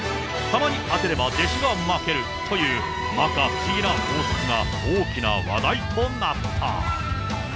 たまに当てれば弟子が負けるというまか不思議なジンクスが大きな話題となった。